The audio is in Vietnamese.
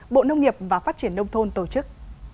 bộ nông nghiệp và phát triển nông thôn tổ chức